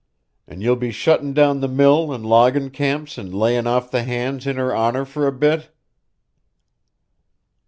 An' ye'll be shuttin' down the mill an' loggin' camps an' layin' off the hands in her honour for a bit?"